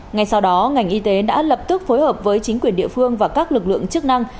ngay sau đó ngành y tế đã lập tức phối hợp với chính quyền địa phương và các lực lượng chức năng